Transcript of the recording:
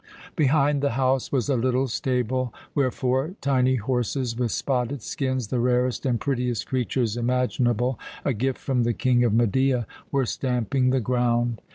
Behind the house was a little stable where four tiny horses with spotted skins, the rarest and prettiest creatures imaginable a gift from the King of Media were stamping the ground.